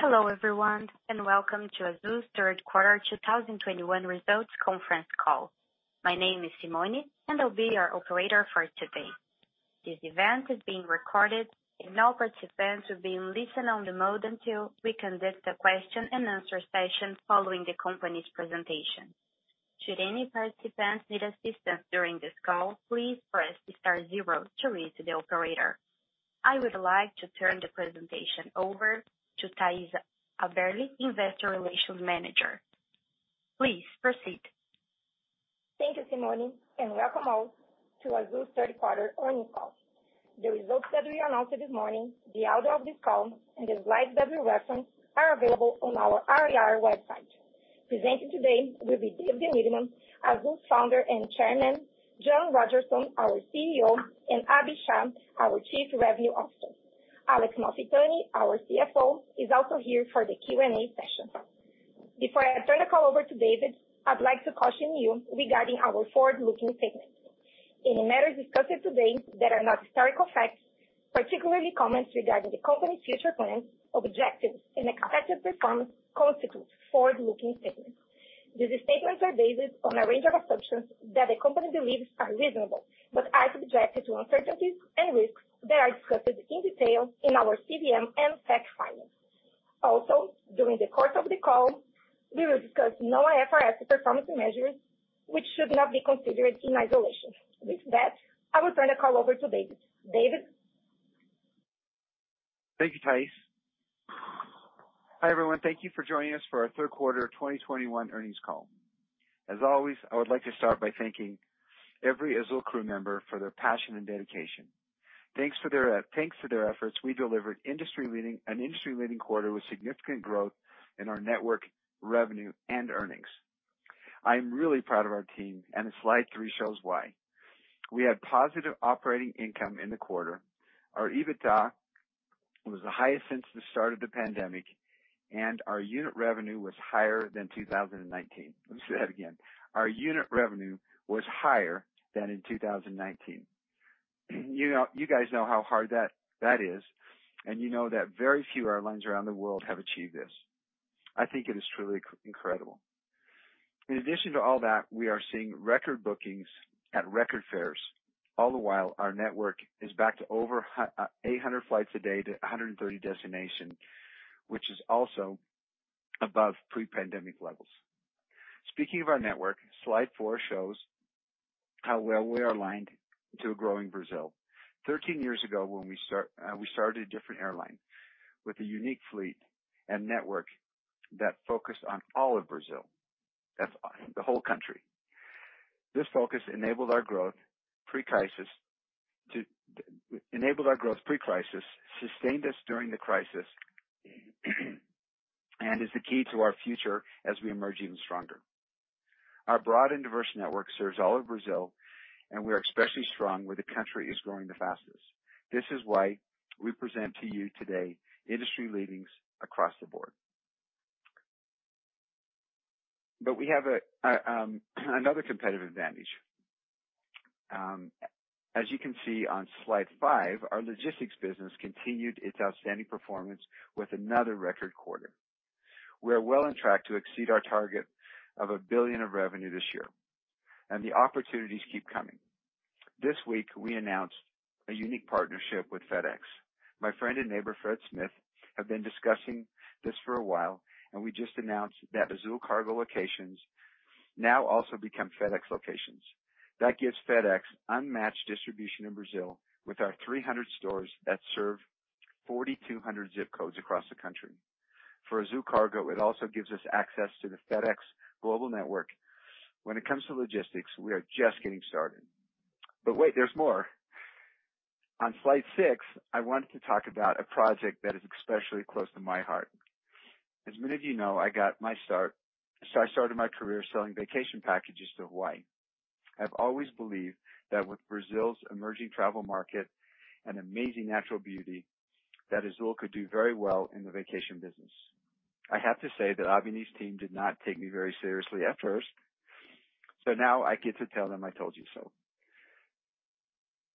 Hello, everyone, and welcome to Azul's third quarter 2021 results conference call. My name is Simone, and I'll be your operator for today. This event is being recorded, and all participants have been placed in listen-only mode until we conduct a question-and-answer session following the company's presentation. Should any participants need assistance during this call, please press star zero to reach the operator. I would like to turn the presentation over to Thais Haberli, Investor Relations Manager. Please proceed. Thank you, Simone, and welcome all to Azul's third quarter earnings call. The results that we announced this morning, the audio of this call, and the slides that we reference are available on our IR website. Presenting today will be David Neeleman, Azul's Founder and Chairman, John Rodgerson, our CEO, and Abhi Shah, our Chief Revenue Officer. Alex Malfitani, our CFO, is also here for the Q&A session. Before I turn the call over to David, I'd like to caution you regarding our forward-looking statements. Any matters discussed today that are not historical facts, particularly comments regarding the company's future plans, objectives, and expected performance constitute forward-looking statements. These statements are based on a range of assumptions that the company believes are reasonable but are subjected to uncertainties and risks that are discussed in detail in our CVM and SEC filings. Also, during the course of the call, we will discuss non-IFRS performance measures, which should not be considered in isolation. With that, I will turn the call over to David. David? Thank you, Thais. Hi, everyone. Thank you for joining us for our third quarter 2021 earnings call. As always, I would like to start by thanking every Azul crew member for their passion and dedication. Thanks for their efforts, we delivered an industry-leading quarter with significant growth in our network revenue and earnings. I am really proud of our team, and slide three shows why. We had positive operating income in the quarter. Our EBITDA was the highest since the start of the pandemic, and our unit revenue was higher than 2019. Let me say that again. Our unit revenue was higher than in 2019. You know, you guys know how hard that is, and you know that very few airlines around the world have achieved this. I think it is truly incredible. In addition to all that, we are seeing record bookings at record fares. All the while, our network is back to over 800 flights a day to 130 destinations, which is also above pre-pandemic levels. Speaking of our network, slide four shows how well we are aligned to a growing Brazil. 13 years ago, when we started a different airline with a unique fleet and network that focused on all of Brazil. That's the whole country. This focus enabled our growth pre-crisis, sustained us during the crisis, and is the key to our future as we emerge even stronger. Our broad and diverse network serves all of Brazil, and we are especially strong where the country is growing the fastest. This is why we present to you today industry-leading across the board. We have another competitive advantage. As you can see on slide five, our logistics business continued its outstanding performance with another record quarter. We are well on track to exceed our target of 1 billion of revenue this year, and the opportunities keep coming. This week, we announced a unique partnership with FedEx. My friend and neighbor, Fred Smith, have been discussing this for a while, and we just announced that Azul Cargo locations now also become FedEx locations. That gives FedEx unmatched distribution in Brazil with our 300 stores that serve 4,200 zip codes across the country. For Azul Cargo, it also gives us access to the FedEx global network. When it comes to logistics, we are just getting started. Wait, there's more. On slide six, I wanted to talk about a project that is especially close to my heart. As many of you know, I got my start. I started my career selling vacation packages to Hawaii. I've always believed that with Brazil's emerging travel market and amazing natural beauty that Azul could do very well in the vacation business. I have to say that Abhi's team did not take me very seriously at first, so now I get to tell them, "I told you so."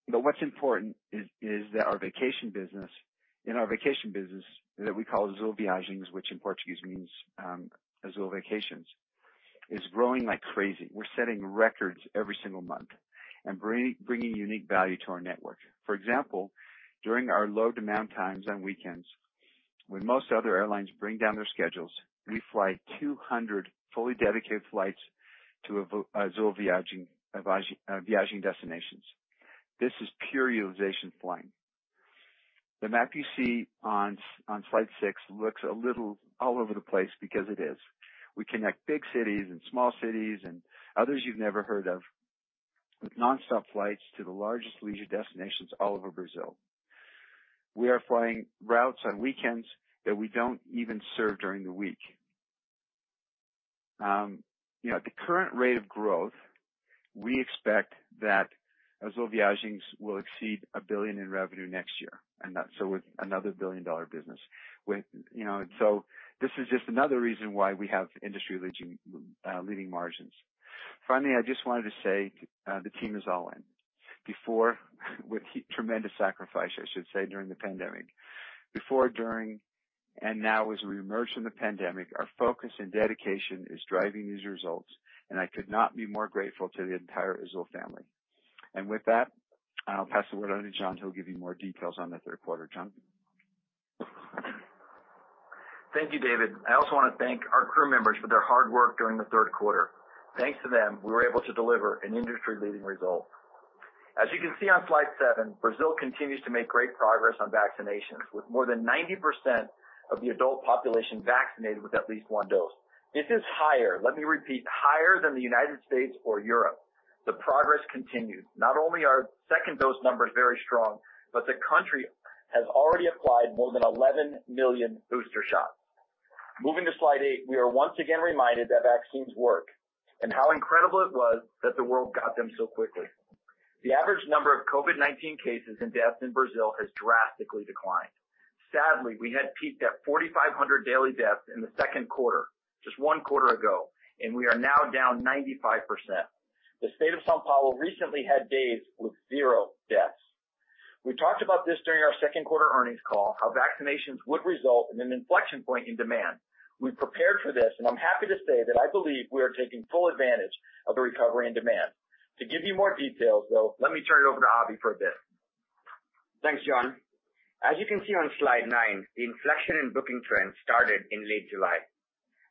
What's important is that our vacation business—in our vacation business that we call Azul Viagens, which in Portuguese means Azul vacations—is growing like crazy. We're setting records every single month and bringing unique value to our network. For example, during our low-demand times on weekends, when most other airlines bring down their schedules, we fly 200 fully dedicated flights to Azul Viagens destinations. This is pure utilization flying. The map you see on slide six looks a little all over the place because it is. We connect big cities and small cities and others you've never heard of with nonstop flights to the largest leisure destinations all over Brazil. We are flying routes on weekends that we don't even serve during the week. You know, at the current rate of growth, we expect that Azul Viagens will exceed 1 billion in revenue next year, and that, so another billion-dollar business. You know, and so this is just another reason why we have industry-leading margins. Finally, I just wanted to say, the team is all in. Before, with tremendous sacrifice, I should say, during the pandemic. Before, during, and now as we emerge from the pandemic, our focus and dedication is driving these results, and I could not be more grateful to the entire Azul family. With that, I'll pass the word on to John, who'll give you more details on the third quarter. John? Thank you, David. I also want to thank our crew members for their hard work during the third quarter. Thanks to them, we were able to deliver an industry-leading result. As you can see on slide seven, Brazil continues to make great progress on vaccinations, with more than 90% of the adult population vaccinated with at least one dose. This is higher, let me repeat, higher than the United States or Europe. The progress continues. Not only are second dose numbers very strong, but the country has already applied more than 11 million booster shots. Moving to slide eight, we are once again reminded that vaccines work, and how incredible it was that the world got them so quickly. The average number of COVID-19 cases and deaths in Brazil has drastically declined. Sadly, we had peaked at 4,500 daily deaths in the second quarter, just one quarter ago, and we are now down 95%. The state of São Paulo recently had days with zero deaths. We talked about this during our second quarter earnings call, how vaccinations would result in an inflection point in demand. We prepared for this, and I'm happy to say that I believe we are taking full advantage of the recovery and demand. To give you more details, though, let me turn it over to Abhi for a bit. Thanks, John. As you can see on slide nine, the inflection in booking trends started in late July.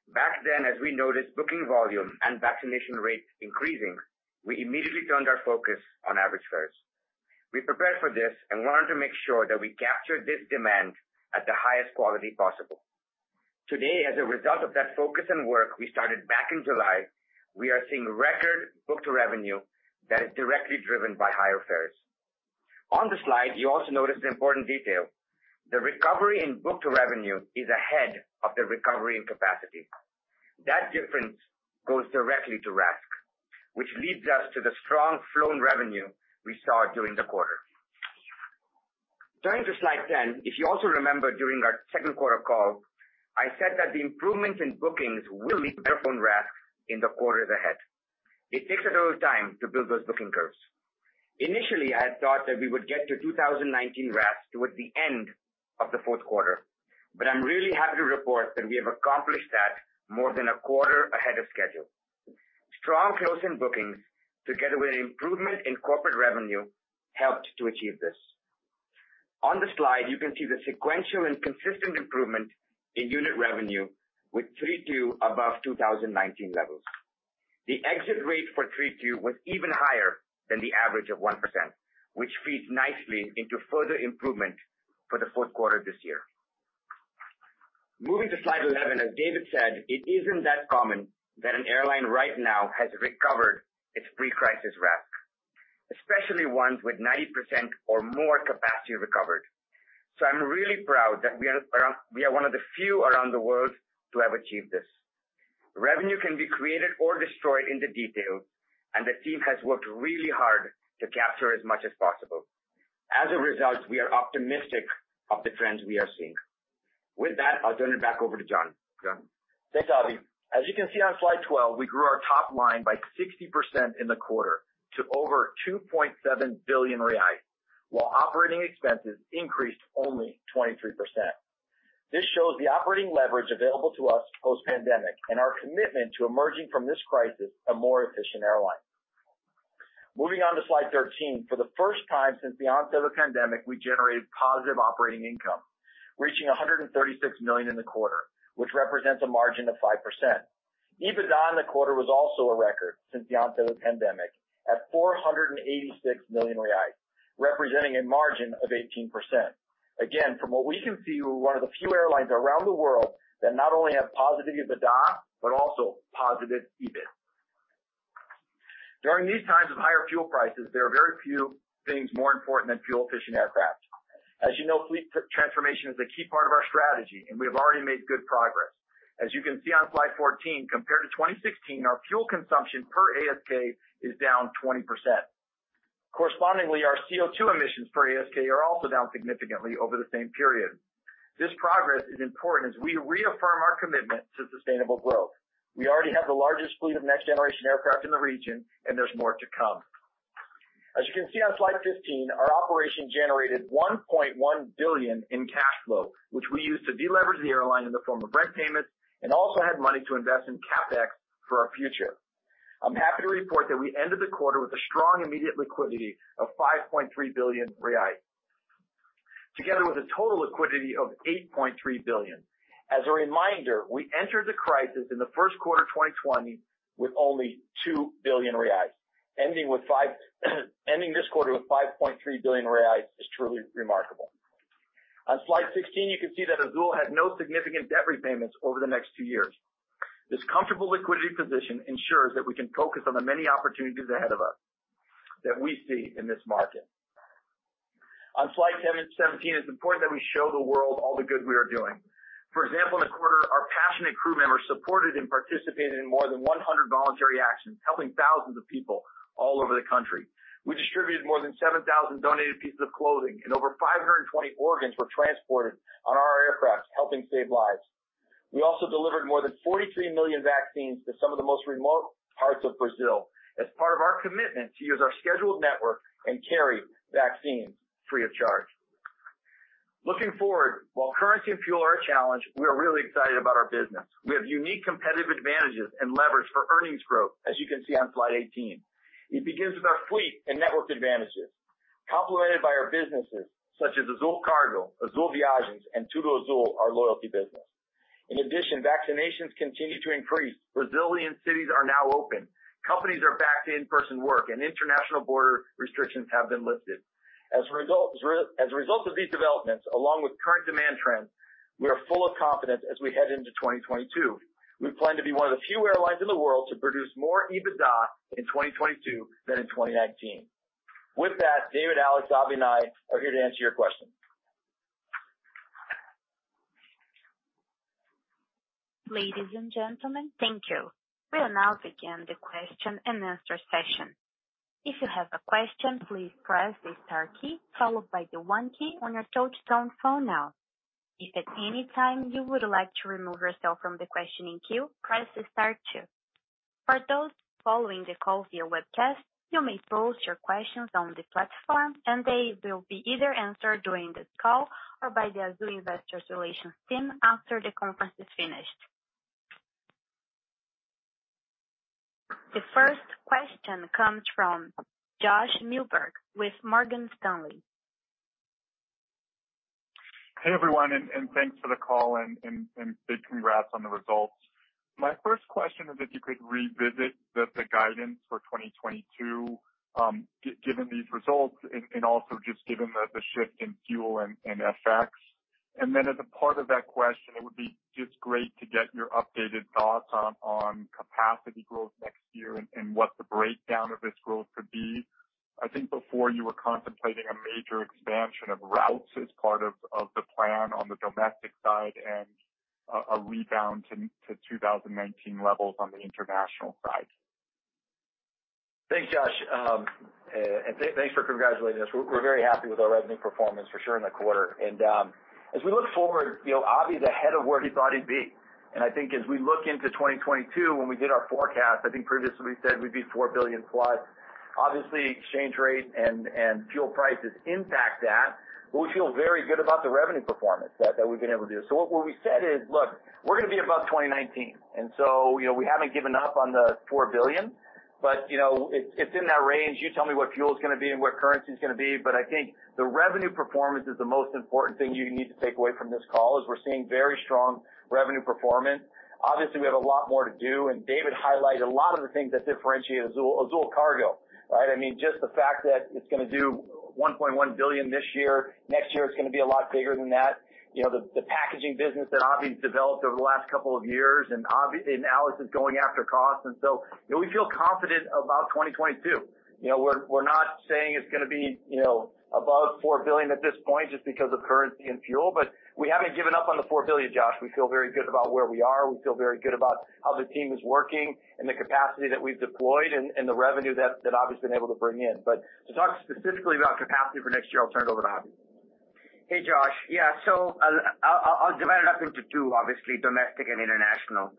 Back then, as we noticed booking volume and vaccination rates increasing, we immediately turned our focus on average fares. We prepared for this and wanted to make sure that we captured this demand at the highest quality possible. Today, as a result of that focus and work we started back in July, we are seeing record book-to-revenue that is directly driven by higher fares. On the slide, you also notice an important detail. The recovery in book-to-revenue is ahead of the recovery in capacity. That difference goes directly to RASK, which leads us to the strong flown revenue we saw during the quarter. Turning to slide 10, if you also remember during our second quarter call, I said that the improvements in bookings will lead to better flown RASK in the quarter ahead. It takes a little time to build those booking curves. Initially, I had thought that we would get to 2019 RASK towards the end of the fourth quarter, but I'm really happy to report that we have accomplished that more than a quarter ahead of schedule. Strong close in bookings together with improvement in corporate revenue helped to achieve this. On the slide, you can see the sequential and consistent improvement in unit revenue with 3Q2 above 2019 levels. The exit rate for 3Q was even higher than the average of 1%, which feeds nicely into further improvement for the fourth quarter this year. Moving to slide 11, as David said, it isn't that common that an airline right now has recovered its pre-crisis RASK, especially ones with 90% or more capacity recovered. I'm really proud that we are one of the few around the world to have achieved this. Revenue can be created or destroyed in the detail, and the team has worked really hard to capture as much as possible. As a result, we are optimistic of the trends we are seeing. With that, I'll turn it back over to John. John? Thanks, Abhi. As you can see on slide 12, we grew our top line by 60% in the quarter to over 2.7 billion reais, while operating expenses increased only 23%. This shows the operating leverage available to us post-pandemic and our commitment to emerging from this crisis a more efficient airline. Moving on to slide 13. For the first time since the onset of the pandemic, we generated positive operating income, reaching 136 million in the quarter, which represents a margin of 5%. EBITDA in the quarter was also a record since the onset of the pandemic at 486 million reais, representing a margin of 18%. Again, from what we can see, we're one of the few airlines around the world that not only have positive EBITDA, but also positive EBIT. During these times of higher fuel prices, there are very few things more important than fuel-efficient aircraft. As you know, fleet transformation is a key part of our strategy, and we have already made good progress. As you can see on slide 14, compared to 2016, our fuel consumption per ASK is down 20%. Correspondingly, our CO2 emissions per ASK are also down significantly over the same period. This progress is important as we reaffirm our commitment to sustainable growth. We already have the largest fleet of next-generation aircraft in the region, and there's more to come. As you can see on slide 15, our operation generated 1.1 billion in cash flow, which we used to deleverage the airline in the form of rent payments and also had money to invest in CapEx for our future. I'm happy to report that we ended the quarter with a strong immediate liquidity of 5.3 billion reais, together with a total liquidity of 8.3 billion. As a reminder, we entered the crisis in the first quarter of 2020 with only 2 billion reais. Ending this quarter with 5.3 billion reais is truly remarkable. On slide 16, you can see that Azul has no significant debt repayments over the next two years. This comfortable liquidity position ensures that we can focus on the many opportunities ahead of us that we see in this market. On slide 17, it's important that we show the world all the good we are doing. For example, in the quarter, our passionate crew members supported and participated in more than 100 voluntary actions, helping thousands of people all over the country. We distributed more than 7,000 donated pieces of clothing, and over 520 organs were transported on our aircraft, helping save lives. We also delivered more than 43 million vaccines to some of the most remote parts of Brazil as part of our commitment to use our scheduled network and carry vaccines free of charge. Looking forward, while currency and fuel are a challenge, we are really excited about our business. We have unique competitive advantages and leverage for earnings growth, as you can see on slide 18. It begins with our fleet and network advantages, complemented by our businesses such as Azul Cargo, Azul Viagens, and TudoAzul, our loyalty business. In addition, vaccinations continue to increase. Brazilian cities are now open. Companies are back to in-person work, and international border restrictions have been lifted. As a result of these developments, along with current demand trends, we are full of confidence as we head into 2022. We plan to be one of the few airlines in the world to produce more EBITDA in 2022 than in 2019. With that, David, Alex, Abhi, and I are here to answer your questions. Ladies and gentlemen, thank you. We'll now begin the question and answer session. If you have a question, please press the star key followed by the one key on your touchtone phone now. If at any time you would like to remove yourself from the questioning queue, press star two. For those following the call via webcast, you may post your questions on the platform, and they will be either answered during this call or by the Azul investor relations team after the conference is finished. The first question comes from Josh Milberg with Morgan Stanley. Hey, everyone, and thanks for the call and big congrats on the results. My first question is if you could revisit the guidance for 2022, given these results and also just given the shift in fuel and FX. Then as a part of that question, it would be just great to get your updated thoughts on capacity growth next year and what the breakdown of this growth could be. I think before you were contemplating a major expansion of routes as part of the plan on the domestic side and a rebound to 2019 levels on the international side. Thanks, Josh. Thanks for congratulating us. We're very happy with our revenue performance for sure in the quarter. As we look forward, you know, Abhi is ahead of where he thought he'd be. I think as we look into 2022, when we did our forecast, I think previously we said we'd be $4 billion plus. Obviously, exchange rate and fuel prices impact that, but we feel very good about the revenue performance that we've been able to do. What we said is, "Look, we're gonna be above 2019." You know, we haven't given up on the $4 billion, but, you know, it's in that range. You tell me what fuel is gonna be and what currency is gonna be. I think the revenue performance is the most important thing you need to take away from this call, is we're seeing very strong revenue performance. Obviously, we have a lot more to do, and David highlighted a lot of the things that differentiate Azul. Azul Cargo, right? I mean, just the fact that it's gonna do $1.1 billion this year. Next year, it's gonna be a lot bigger than that. You know, the packaging business that Abhi's developed over the last couple of years, and obviously, and Alex is going after cost. And so, you know, we feel confident about 2022. You know, we're not saying it's gonna be, you know, above $4 billion at this point just because of currency and fuel, but we haven't given up on the $4 billion, Josh. We feel very good about where we are. We feel very good about how the team is working and the capacity that we've deployed and the revenue that Abhi's been able to bring in. To talk specifically about capacity for next year, I'll turn it over to Abhi. Hey, Josh. I'll divide it up into two, obviously, domestic and international.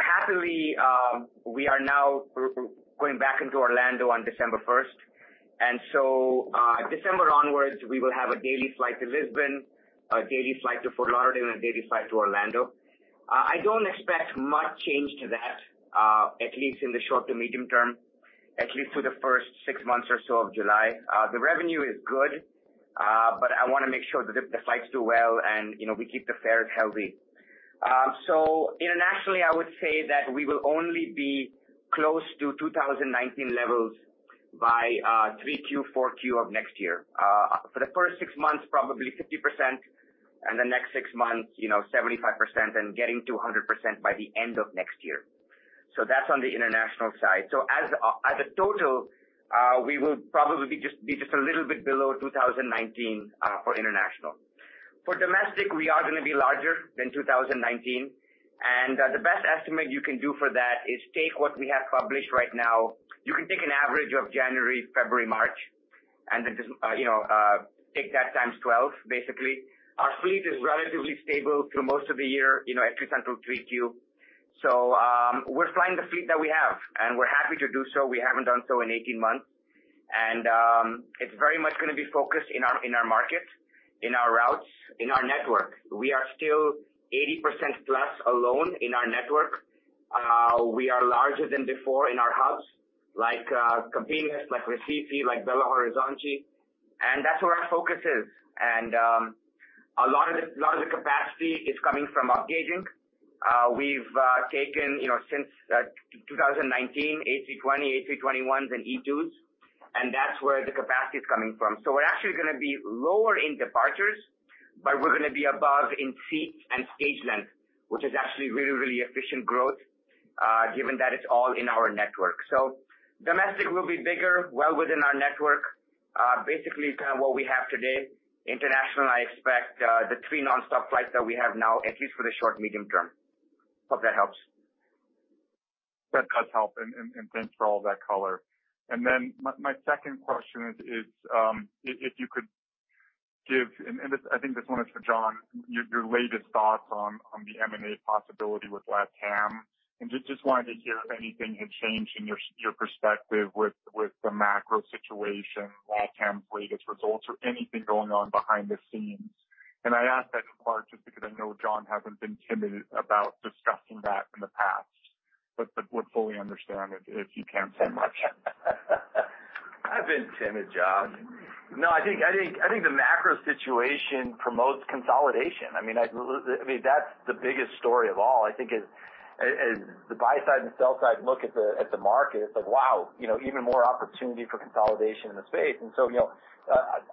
Happily, we are now going back into Orlando on December 1st. December onwards, we will have a daily flight to Lisbon, a daily flight to Fort Lauderdale, and a daily flight to Orlando. I don't expect much change to that, at least in the short to medium term, at least through the first six months or so of July. The revenue is good, but I wanna make sure that the flights do well and, you know, we keep the fares healthy. Internationally, I would say that we will only be close to 2019 levels by 3Q, 4Q of next year. For the first six months, probably 50%, and the next six months, you know, 75%, and getting to 100% by the end of next year. That's on the international side. As a total, we will probably be just a little bit below 2019 for international. For domestic, we are gonna be larger than 2019, and the best estimate you can do for that is take what we have published right now. You can take an average of January, February, March, and then just you know take that times 12, basically. Our fleet is relatively stable through most of the year, you know, except through 3Q. We're flying the fleet that we have, and we're happy to do so. We haven't done so in 18 months. It's very much gonna be focused in our markets, in our routes, in our network. We are still 80% plus alone in our network. We are larger than before in our hubs, like Campinas, like Recife, like Belo Horizonte, and that's where our focus is. A lot of the capacity is coming from upgauging. We've taken, you know, since 2019, A320, A321s and E2s, and that's where the capacity is coming from. We're actually gonna be lower in departures, but we're gonna be above in seats and stage length, which is actually really, really efficient growth, given that it's all in our network. Domestic will be bigger, well within our network. Basically kind of what we have today. International, I expect, the three non-stop flights that we have now, at least for the short, medium term. Hope that helps. That does help and thanks for all that color. Then my second question is if you could give this—I think this one is for John, your latest thoughts on the M&A possibility with LATAM. I just wanted to hear if anything had changed in your perspective with the macro situation, LATAM's latest results or anything going on behind the scenes. I ask that in part just because I know John hasn't been timid about discussing that in the past, but would fully understand if you can't say much. I've been timid, Josh. No, I think the macro situation promotes consolidation. I mean, that's the biggest story of all. I think the buy side and sell side look at the market, it's like, wow, you know, even more opportunity for consolidation in the space. You know,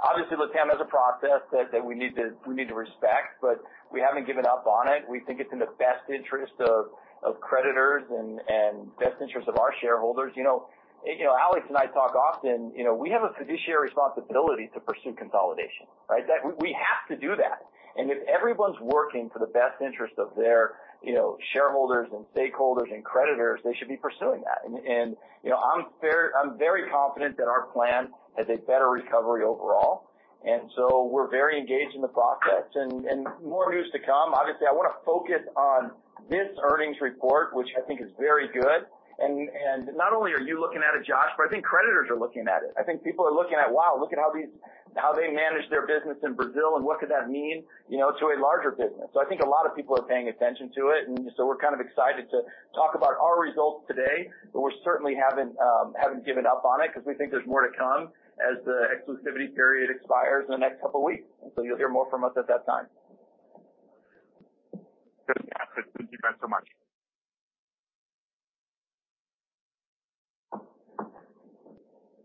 obviously LATAM has a process that we need to respect, but we haven't given up on it. We think it's in the best interest of creditors and best interest of our shareholders. You know, Alex and I talk often, we have a fiduciary responsibility to pursue consolidation, right? That we have to do that. If everyone's working for the best interest of their, you know, shareholders and stakeholders and creditors, they should be pursuing that. You know, I'm very confident that our plan has a better recovery overall. We're very engaged in the process and more news to come. Obviously, I wanna focus on this earnings report, which I think is very good. Not only are you looking at it, Josh, but I think creditors are looking at it. I think people are looking at, wow, look at how they manage their business in Brazil and what could that mean, you know, to a larger business. I think a lot of people are paying attention to it, and so we're kind of excited to talk about our results today, but we certainly haven't given up on it because we think there's more to come as the exclusivity period expires in the next couple of weeks. You'll hear more from us at that time. Good. Thank you guys so much.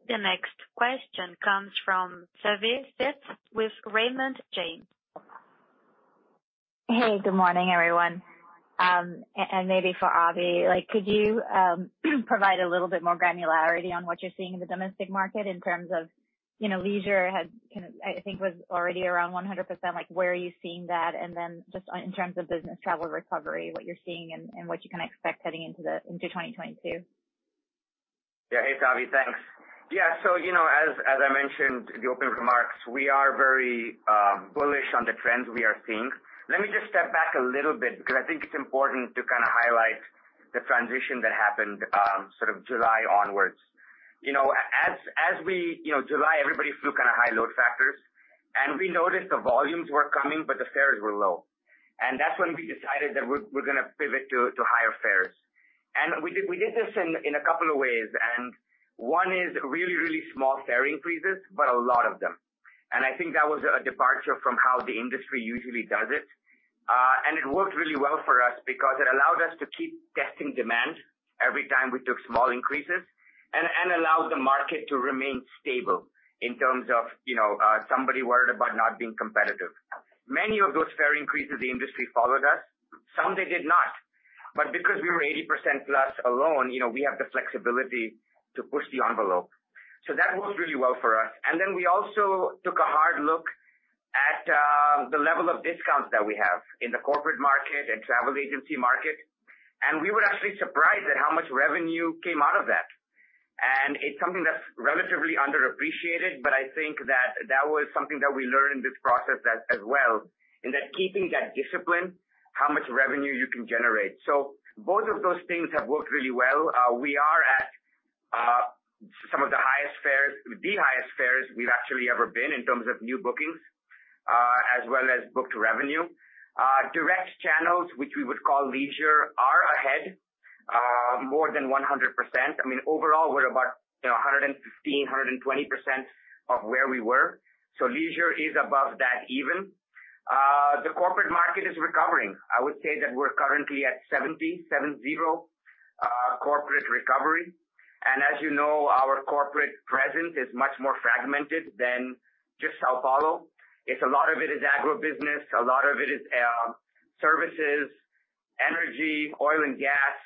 The next question comes from Savanthi Syth with Raymond James. Hey, good morning, everyone. Maybe for Abhi Shah, like, could you provide a little bit more granularity on what you're seeing in the domestic market in terms of, you know, leisure has I think was already around 100%. Like, where are you seeing that? Then just in terms of business travel recovery, what you're seeing and what you kind of expect heading into 2022. Hey, Savanthi, thanks. Yeah. So, you know, as I mentioned in the opening remarks, we are very bullish on the trends we are seeing. Let me just step back a little bit because I think it's important to kind of highlight the transition that happened, sort of July onwards. You know, July, everybody flew kind of high load factors, and we noticed the volumes were coming, but the fares were low. That's when we decided that we're gonna pivot to higher fares. We did this in a couple of ways, and one is really small fare increases, but a lot of them. I think that was a departure from how the industry usually does it. It worked really well for us because it allowed us to keep testing demand every time we took small increases and allowed the market to remain stable in terms of, you know, somebody worried about not being competitive. Many of those fare increases, the industry followed us. Some they did not. Because we were 80% plus alone, you know, we have the flexibility to push the envelope. That worked really well for us. We also took a hard look at the level of discounts that we have in the corporate market and travel agency market, and we were actually surprised at how much revenue came out of that. It's something that's relatively underappreciated, but I think that was something that we learned in this process as well, and that keeping that discipline, how much revenue you can generate. Both of those things have worked really well. We are at the highest fares we've actually ever been in terms of new bookings, as well as booked revenue. Direct channels, which we would call leisure, are ahead more than 100%. I mean, overall, we're about, you know, 115%-120% of where we were. Leisure is above that even. The corporate market is recovering. I would say that we're currently at 70% corporate recovery. As you know, our corporate presence is much more fragmented than just São Paulo. It's a lot of it is agribusiness, a lot of it is services, energy, oil and gas,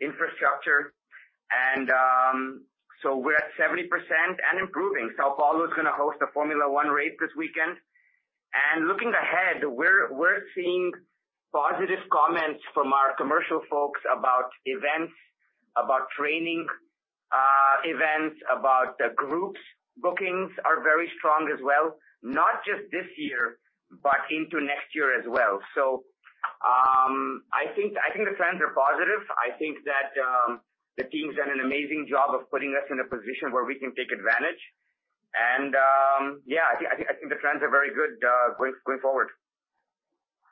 infrastructure. We're at 70% and improving. São Paulo is gonna host a Formula One race this weekend. Looking ahead, we're seeing positive comments from our commercial folks about events, about training, events, about groups. Bookings are very strong as well, not just this year, but into next year as well. I think the trends are positive. I think that the team's done an amazing job of putting us in a position where we can take advantage. Yeah, I think the trends are very good going forward.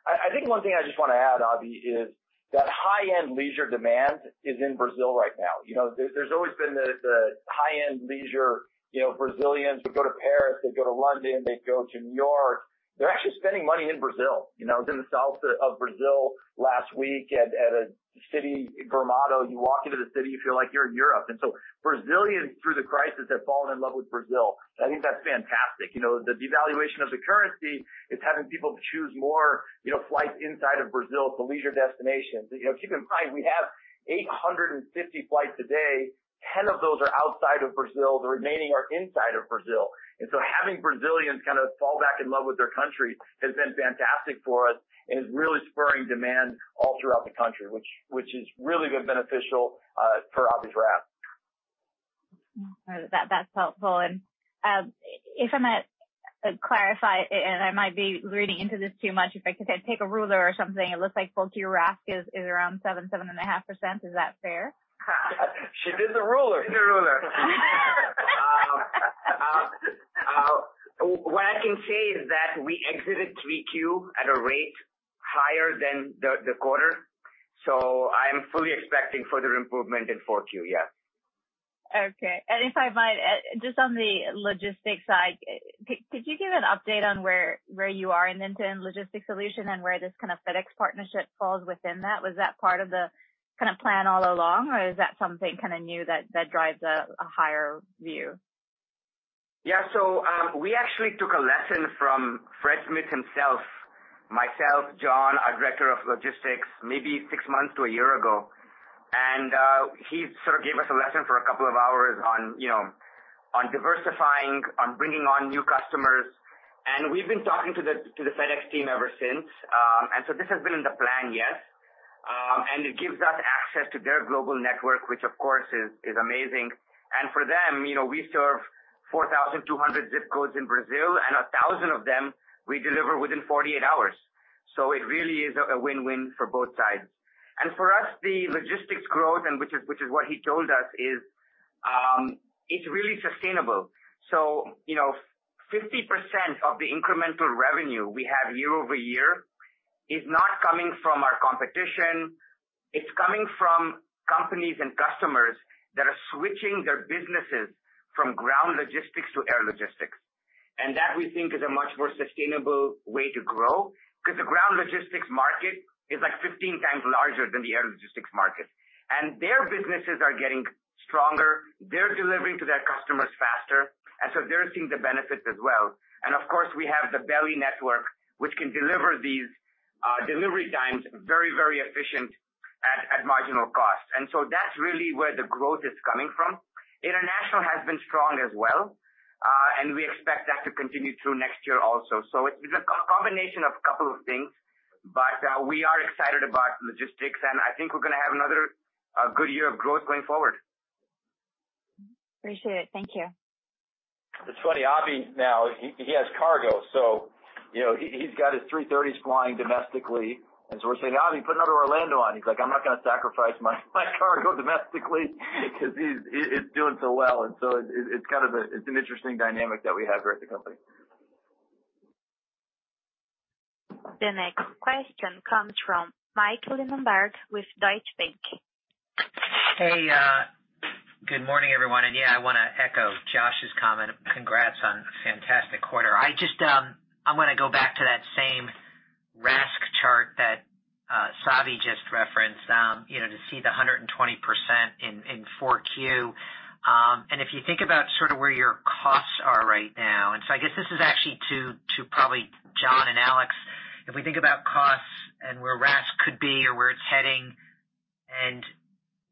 I think one thing I just wanna add, Abhi, is that high-end leisure demand is in Brazil right now. You know, there's always been the high-end leisure, you know. Brazilians would go to Paris, they'd go to London, they'd go to New York. They're actually spending money in Brazil. You know, I was in the south of Brazil last week at a city, Gramado. You walk into the city, you feel like you're in Europe. Brazilians, through the crisis, have fallen in love with Brazil. I think that's fantastic. You know, the devaluation of the currency is having people choose more, you know, flights inside of Brazil for leisure destinations. You know, keep in mind, we have 850 flights a day- 10 of those are outside of Brazil, the remaining are inside of Brazil. Having Brazilians kind of fall back in love with their country has been fantastic for us and is really spurring demand all throughout the country, which has really been beneficial for Abhi's RASK. That's helpful. If I might clarify, and I might be reading into this too much, if I could take a ruler or something, it looks like full-year RASK is around 7%-7.5%. Is that fair? She did the ruler. What I can say is that we exited 3Q at a rate higher than the quarter. I am fully expecting further improvement in 4Q. Yeah. Okay. If I might, just on the logistics side, could you give an update on where you are in end-to-end logistics solution and where this kind of FedEx partnership falls within that? Was that part of the kinda plan all along, or is that something kinda new that drives a higher view? Yeah. We actually took a lesson from Fred Smith himself, myself, John, our director of logistics, maybe six months to a year ago. He sort of gave us a lesson for a couple of hours on, you know, on diversifying, on bringing on new customers. We've been talking to the FedEx team ever since. This has been in the plan, yes. It gives us access to their global network, which of course is amazing. For them, you know, we serve 4,200 zip codes in Brazil, and 1,000 of them we deliver within 48 hours. It really is a win-win for both sides. For us, the logistics growth, which is what he told us, it's really sustainable. You know, 50% of the incremental revenue we have year-over-year is not coming from our competition, it's coming from companies and customers that are switching their businesses from ground logistics to air logistics. That we think is a much more sustainable way to grow because the ground logistics market is like 15 times larger than the air logistics market. Their businesses are getting stronger, they're delivering to their customers faster, and so they're seeing the benefits as well. Of course, we have the belly network, which can deliver these delivery times very, very efficient at marginal cost. That's really where the growth is coming from. International has been strong as well, and we expect that to continue through next year also. It's a combination of a couple of things, but we are excited about logistics, and I think we're gonna have another good year of growth going forward. Appreciate it. Thank you. It's funny, Abhi, now he has cargo, so you know, he's got his A330s flying domestically, and so we're saying, "Abhi, put another Orlando on." He's like, "I'm not gonna sacrifice my cargo domestically," 'cause it's doing so well. It's kind of an interesting dynamic that we have here at the company. The next question comes from Michael Linenberg with Deutsche Bank. Hey. Good morning, everyone. Yeah, I want to echo Josh's comment. Congrats on a fantastic quarter. I want to go back to that same RASK chart that Savi just referenced, you know, to see the 120% in 4Q. If you think about sort of where your costs are right now, I guess this is actually to probably John and Alex. If we think about costs and where RASK could be or where it's heading,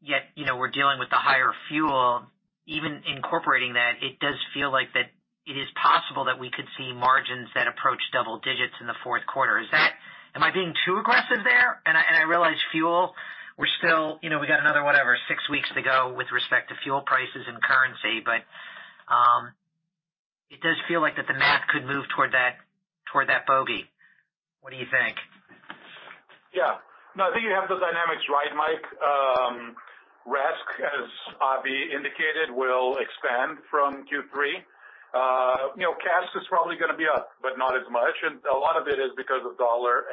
yet, you know, we're dealing with the higher fuel, even incorporating that, it does feel like that it is possible that we could see margins that approach double digits in the fourth quarter. Is that? Am I being too aggressive there? I realize fuel, we're still... You know, we got another, whatever, six weeks to go with respect to fuel prices and currency. It does feel like that the math could move toward that bogey. What do you think? Yeah. No, I think you have the dynamics right, Michael. RASK, as Abhi indicated, will expand from Q3. You know, CASK is probably gonna be up, but not as much. A lot of it is because of dollar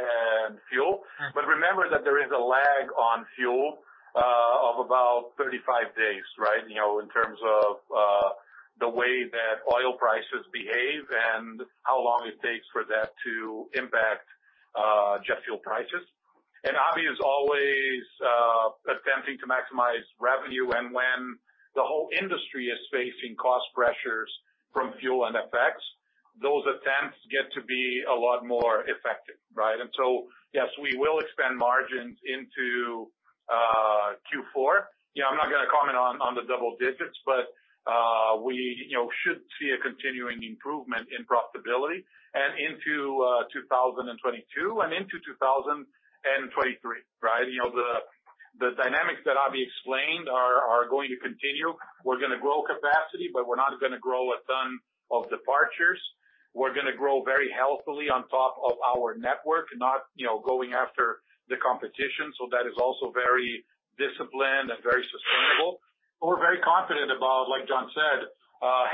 and fuel. Remember that there is a lag on fuel of about 35 days, right? You know, in terms of the way that oil prices behave and how long it takes for that to impact jet fuel prices. Abhi is always attempting to maximize revenue. When the whole industry is facing cost pressures from fuel and FX, those attempts get to be a lot more effective, right? Yes, we will expand margins into Q4. You know, I'm not gonna comment on the double digits, but we, you know, should see a continuing improvement in profitability and into 2022 and into 2023, right? You know, the dynamics that Abhi explained are going to continue. We're gonna grow capacity, but we're not gonna grow a ton of departures. We're gonna grow very healthily on top of our network, not, you know, going after the competition. That is also very disciplined and very sustainable. We're very confident about, like John said,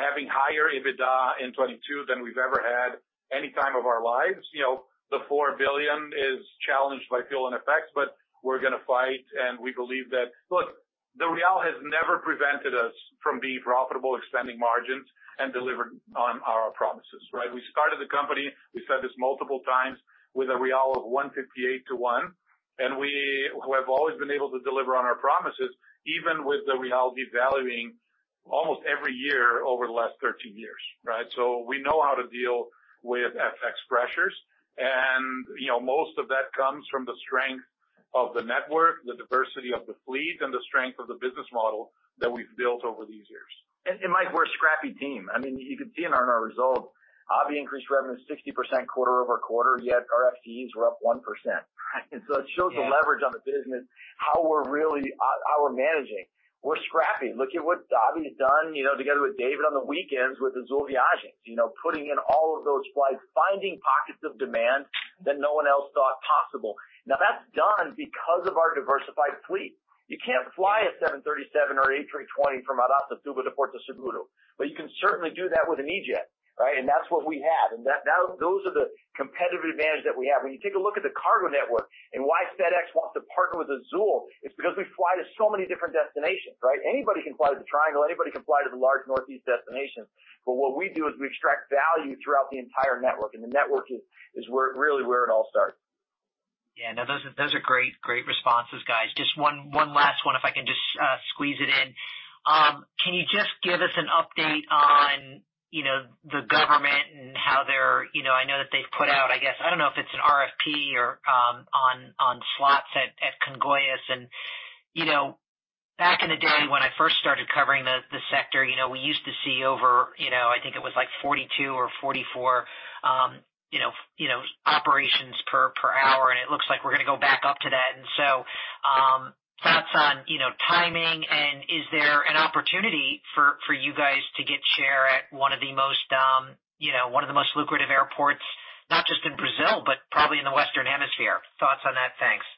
having higher EBITDA in 2022 than we've ever had any time of our lives. You know, the 4 billion is challenged by fuel and FX effects, but we're gonna fight and we believe that. Look, the real has never prevented us from being profitable, expanding margins, and delivered on our promises, right? We started the company, we said this multiple times, with a real of 1.58 to 1, and we have always been able to deliver on our promises even with the real devaluing. Almost every year over the last 13 years, right? So we know how to deal with FX pressures. You know, most of that comes from the strength of the network, the diversity of the fleet, and the strength of the business model that we've built over these years. Michael, we're a scrappy team. I mean, you could see in our results. Abhi increased revenue 60% quarter-over-quarter, yet our FTEs were up 1%. Right. It shows the leverage on the business, how we're managing. We're scrappy. Look at what Abhi has done, you know, together with David on the weekends with Azul Viagens. You know, putting in all of those flights, finding pockets of demand that no one else thought possible. Now, that's done because of our diversified fleet. You can't fly a 737 or A320 from Marabá to Tubarão to Sobral. You can certainly do that with an E-Jet, right? That's what we have. That those are the competitive advantage that we have. When you take a look at the cargo network and why FedEx wants to partner with Azul, it's because we fly to so many different destinations, right? Anybody can fly to the triangle. Anybody can fly to the large Northeast destinations. What we do is we extract value throughout the entire network, and the network is really where it all starts. Yeah. No, those are great responses, guys. Just one last one if I can just squeeze it in. Can you just give us an update on, you know, the government and how they're. You know, I know that they've put out, I guess, I don't know if it's an RFP or on slots at Congonhas. You know, back in the day when I first started covering the sector, you know, we used to see over, you know, I think it was like 42 or 44 operations per hour, and it looks like we're gonna go back up to that. Thoughts on, you know, timing and is there an opportunity for you guys to get share at one of the most lucrative airports, not just in Brazil, but probably in the Western Hemisphere? Thoughts on that. Thanks.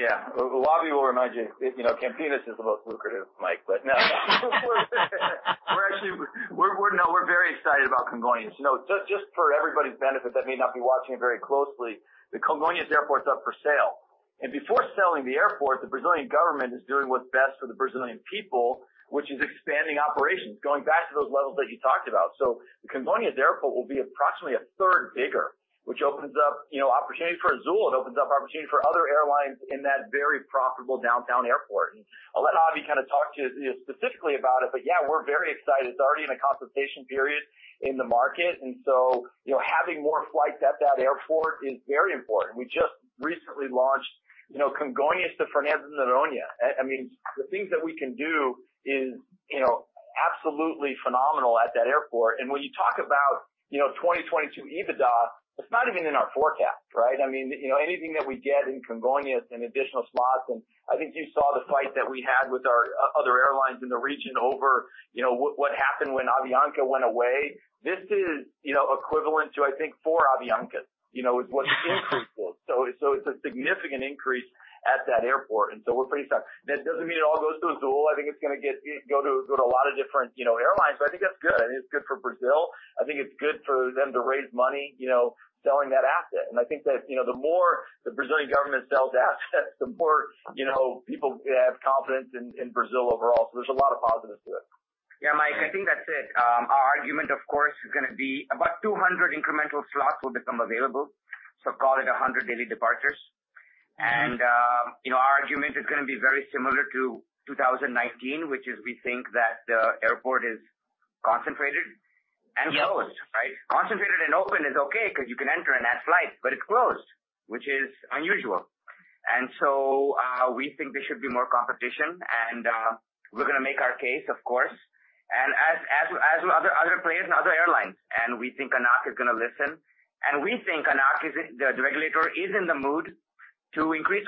Yeah. Well, Abhi will remind you if, you know, Campinas is the most lucrative, Mike. No. No, we're very excited about Congonhas. You know, just for everybody's benefit that may not be watching it very closely, the Congonhas Airport is up for sale. Before selling the airport, the Brazilian government is doing what's best for the Brazilian people, which is expanding operations, going back to those levels that you talked about. The Congonhas Airport will be approximately a third bigger, which opens up, you know, opportunities for Azul. It opens up opportunities for other airlines in that very profitable downtown airport. I'll let Abhi kind of talk to you specifically about it. We're very excited. It's already in a consultation period in the market, and so, you know, having more flights at that airport is very important. We just recently launched, you know, Congonhas to Fernando de Noronha. I mean, the things that we can do is, you know, absolutely phenomenal at that airport. When you talk about, you know, 2022 EBITDA, it's not even in our forecast, right? I mean, you know, anything that we get in Congonhas and additional slots, and I think you saw the fight that we had with our other airlines in the region over, you know, what happened when Avianca went away. This is, you know, equivalent to, I think, four Aviancas. You know, is what the increase was. So it's a significant increase at that airport, and so we're pretty excited. That doesn't mean it all goes to Azul. I think it's gonna go to a lot of different, you know, airlines, but I think that's good. I think it's good for Brazil. I think it's good for them to raise money, you know, selling that asset. I think that, you know, the more the Brazilian government sells assets, the more, you know, people have confidence in Brazil overall. There's a lot of positives to it. Yeah, Mike. I think that's it. Our argument, of course, is gonna be about 200 incremental slots will become available. Call it 100 daily departures. Mm-hmm. You know, our argument is gonna be very similar to 2019, which is we think that the airport is concentrated and closed, right? Yep. Concentrated and open is okay because you can enter and add flights, but it's closed, which is unusual. We think there should be more competition, and we're gonna make our case, of course, and as other players and other airlines. We think ANAC is gonna listen. We think ANAC, the regulator, is in the mood to increase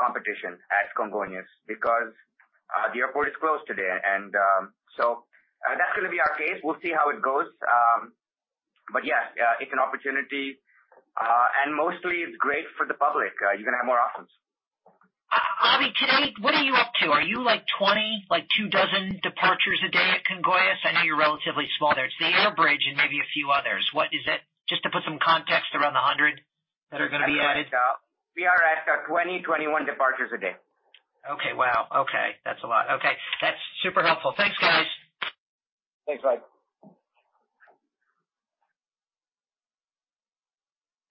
competition at Congonhas because the airport is closed today. That's gonna be our case. We'll see how it goes. It's an opportunity. Mostly it's great for the public. You're gonna have more options. Abhi, today, what are you up to? Are you like 20, like 24 departures a day at Congonhas? I know you're relatively smaller. It's the Ponte Aérea and maybe a few others. What is it? Just to put some context around the 100 that are gonna be added. We are at 21 departures a day. Okay. Wow. Okay. That's a lot. Okay. That's super helpful. Thanks, guys. Thanks, Mike.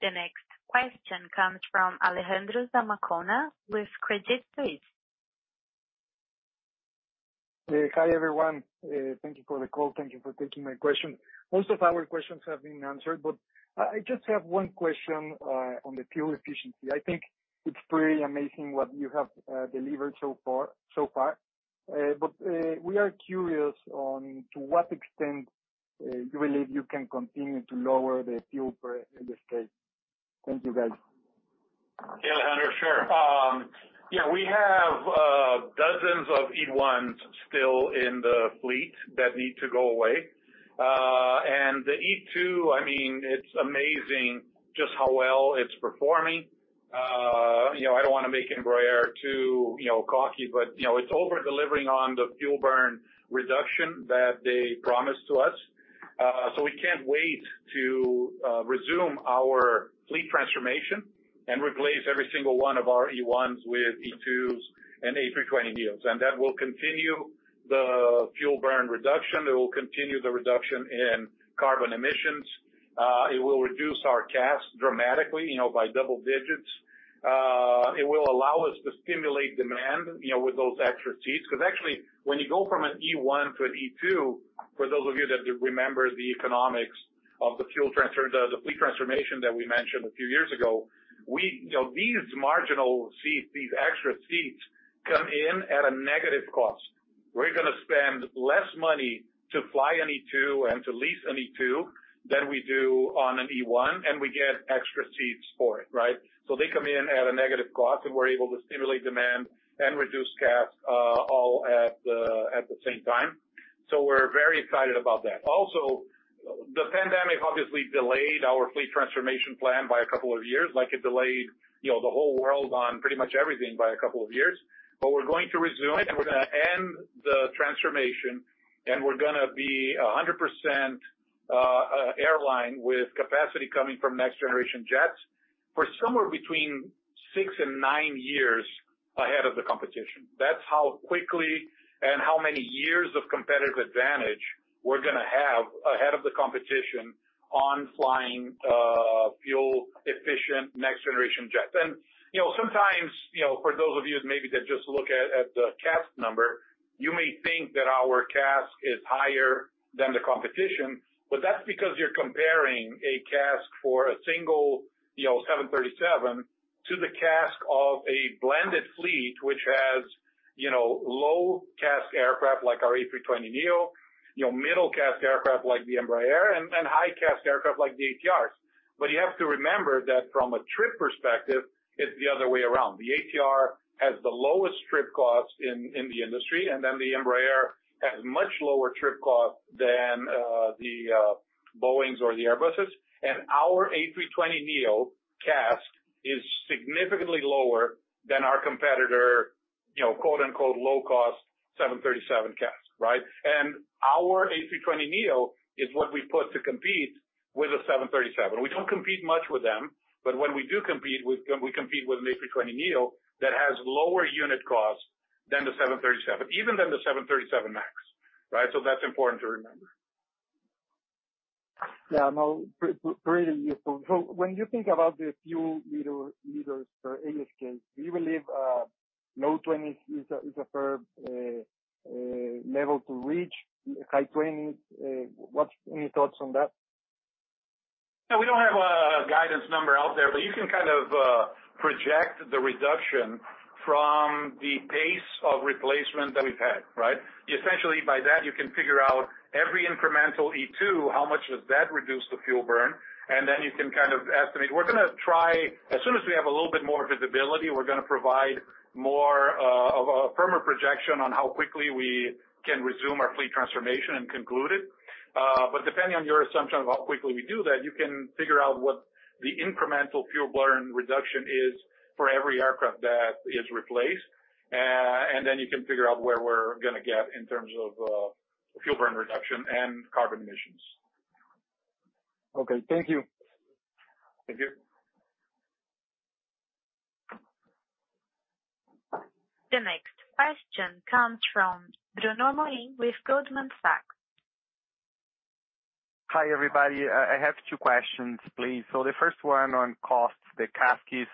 The next question comes from Alejandro Zamacona with Credit Suisse. Hi, everyone. Thank you for the call. Thank you for taking my question. Most of our questions have been answered, but I just have one question on the fuel efficiency. I think it's pretty amazing what you have delivered so far. We are curious on to what extent you believe you can continue to lower the fuel burn in this case. Thank you, guys. Yeah, Alejandro Zamacona, sure. Yeah, we have dozens of E1s still in the fleet that need to go away. The E2, I mean, it's amazing just how well it's performing. You know, I don't wanna make Embraer too, you know, cocky, but, you know, it's over-delivering on the fuel burn reduction that they promised to us. So we can't wait to resume our fleet transformation and replace every single one of our E1s with E2s and A320neos. That will continue the fuel burn reduction. It will continue the reduction in carbon emissions. It will reduce our CASK dramatically, you know, by double digits. It will allow us to stimulate demand, you know, with those extra seats. Because actually when you go from an E1 to an E2, for those of you that remember the economics of the fleet transformation that we mentioned a few years ago, you know, these marginal seats, these extra seats come in at a negative cost. We're gonna spend less money to fly an E2 and to lease an E2 than we do on an E1, and we get extra seats for it, right? So they come in at a negative cost, and we're able to stimulate demand and reduce CASK all at the same time. So we're very excited about that. Also, the pandemic obviously delayed our fleet transformation plan by a couple of years, like it delayed, you know, the whole world on pretty much everything by a couple of years. We're going to resume it, and we're gonna end the transformation, and we're gonna be 100% airline with capacity coming from next-generation jets. We're somewhere between 6-9 years ahead of the competition. That's how quickly and how many years of competitive advantage we're gonna have ahead of the competition on flying fuel-efficient next-generation jets. You know, for those of you maybe that just look at the CASK number, you may think that our CASK is higher than the competition. That's because you're comparing a CASK for a single, you know, 737 to the CASK of a blended fleet, which has, you know, low CASK aircraft like our A320neo, you know, middle CASK aircraft like the Embraer and high CASK aircraft like the ATRs. You have to remember that from a trip perspective, it's the other way around. The ATR has the lowest trip cost in the industry, and then the Embraer has much lower trip cost than the Boeings or the Airbuses. Our A320neo CASK is significantly lower than our competitor, you know, quote-unquote, "low-cost" 737 CASK, right? Our A320neo is what we put to compete with a 737. We don't compete much with them, but when we do compete, we compete with an A320neo that has lower unit cost than the 737, even than the 737 MAX, right? That's important to remember. Yeah. No, really useful. When you think about the fuel liters per ASK, do you believe low twenties is a fair level to reach? High twenties? Any thoughts on that? No, we don't have a guidance number out there, but you can kind of project the reduction from the pace of replacement that we've had, right? Essentially by that you can figure out every incremental E2, how much does that reduce the fuel burn? You can kind of estimate. As soon as we have a little bit more visibility, we're gonna provide more of a firmer projection on how quickly we can resume our fleet transformation and conclude it. Depending on your assumption of how quickly we do that, you can figure out what the incremental fuel burn reduction is for every aircraft that is replaced. You can figure out where we're gonna get in terms of fuel burn reduction and carbon emissions. Okay, thank you. Thank you. The next question comes from Bruno Amorim with Goldman Sachs. Hi, everybody. I have two questions, please. The first one on costs. The CASK is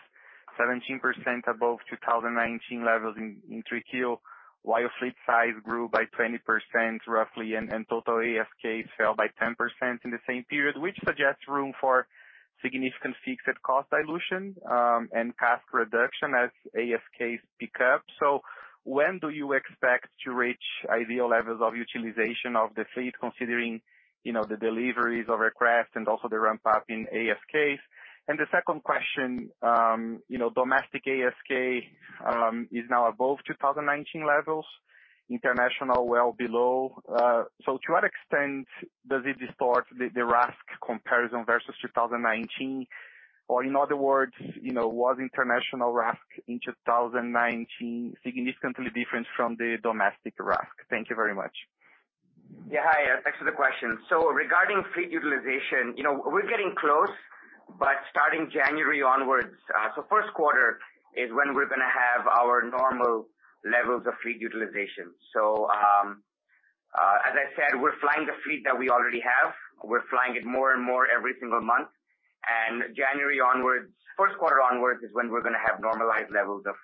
17% above 2019 levels in 3Q, while fleet size grew by 20% roughly, and total ASK fell by 10% in the same period, which suggests room for significant fixed cost dilution, and CASK reduction as ASK pick up. When do you expect to reach ideal levels of utilization of the fleet, considering, you know, the deliveries of aircraft and also the ramp-up in ASK? The second question, you know, domestic ASK is now above 2019 levels, international well below. To what extent does it distort the RASK comparison versus 2019? Or in other words, you know, was international RASK in 2019 significantly different from the domestic RASK? Thank you very much. Hi. Thanks for the question. Regarding fleet utilization, you know, we're getting close, but starting January onwards, first quarter is when we're gonna have our normal levels of fleet utilization. As I said, we're flying the fleet that we already have. We're flying it more and more every single month, and January onwards, first quarter onwards is when we're gonna have normalized levels of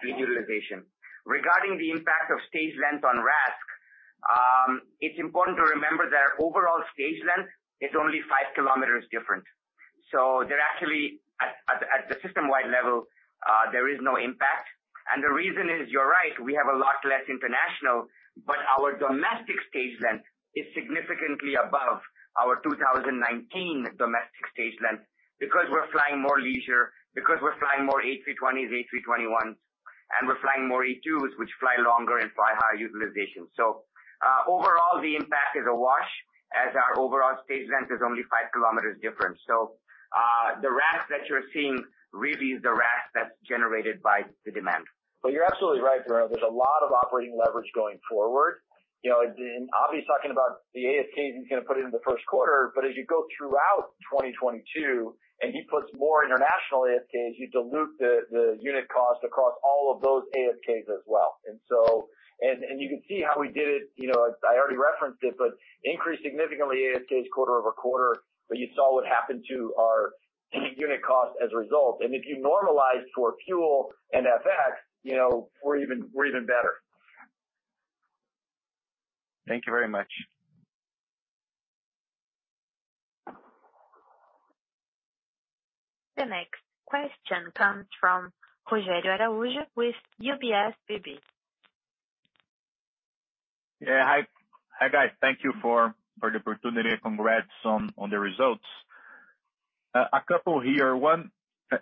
fleet utilization. Regarding the impact of stage length on RASK, it's important to remember that our overall stage length is only five km different. There actually is no impact at the system-wide level. The reason is, you're right, we have a lot less international, but our domestic stage length is significantly above our 2019 domestic stage length because we're flying more leisure, because we're flying more A320s, A321s, and we're flying more E2s, which fly longer and fly higher utilization. Overall, the impact is a wash as our overall stage length is only 5 km different. The RASK that you're seeing really is the RASK that's generated by the demand. You're absolutely right, Bruno. There's a lot of operating leverage going forward. You know, Abhi's talking about the ASK he's gonna put in in the first quarter, but as you go throughout 2022, and he puts more international ASK, you dilute the unit cost across all of those ASK as well. You can see how we did it. You know, I already referenced it, but we increased significantly ASK quarter-over-quarter, but you saw what happened to our unit cost as a result. If you normalize for fuel and FX, you know, we're even better. Thank you very much. The next question comes from Rogério Araujo with UBS BB. Yeah. Hi. Hi, guys. Thank you for the opportunity. Congrats on the results. A couple here. One,